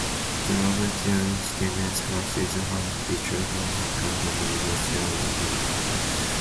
The Roberta Alison Tennis Classic is held each year at the University of Alabama.